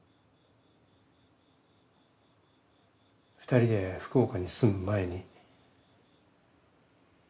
２人で福岡に住む前に。